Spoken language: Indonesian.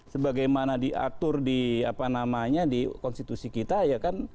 sebagaimana diatur di apa namanya di konstitusi kita ya kan